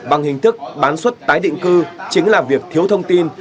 bằng hình thức bán suất tái định cư chính là việc thiếu thông tin